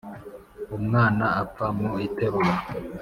Umwana apfa mu iterura.